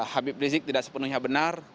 habib rizik tidak sepenuhnya benar